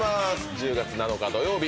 １０月７日土曜日